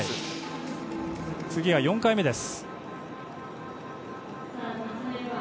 次は４回目です。